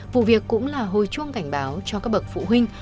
vụ việc cũng là hồi chuông cảnh báo cho các bậc phụ huynh